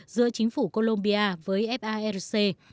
giữa chính phủ colombia với frc